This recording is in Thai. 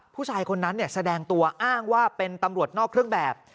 ผู้ชายคนนั้นแสดงตัวอ้างว่าเป็นตำรวจนอกเครื่องแบบ